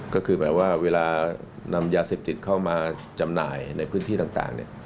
ก็คือแบบว่าเวลานำยาเสพติดเข้ามาจำหน่ายในพื้นที่ต่าง